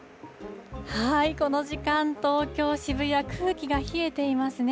この時間、東京・渋谷、空気が冷えていますね。